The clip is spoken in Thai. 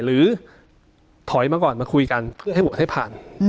หรือถอยมาก่อนมาคุยกันเพื่อให้โหวตให้ผ่าน